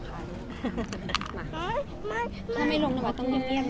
หัยมันอยู่